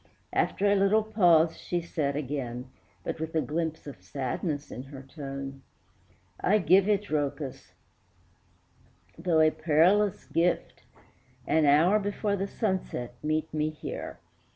After a little pause she said again, But with a glimpse of sadness in her tone, "I give it, Rhœcus, though a perilous gift; An hour before the sunset meet me here."